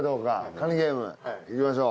カニゲーム行きましょう。